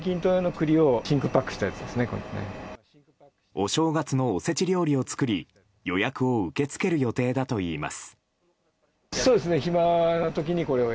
お正月のおせち料理を作り予約を受け付ける予定だといいます。